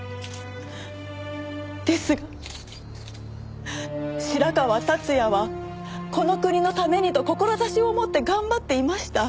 ですが白河達也はこの国のためにと志を持って頑張っていました。